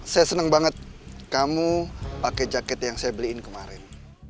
saya senang banget kamu pakai jaket yang saya beliin kemarin